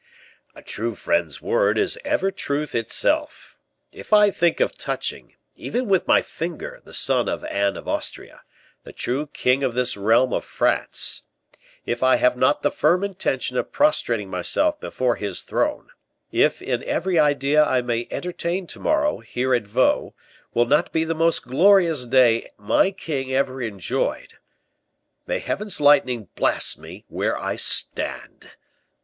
"A true friend's word is ever truth itself. If I think of touching, even with my finger, the son of Anne of Austria, the true king of this realm of France if I have not the firm intention of prostrating myself before his throne if in every idea I may entertain to morrow, here at Vaux, will not be the most glorious day my king ever enjoyed may Heaven's lightning blast me where I stand!"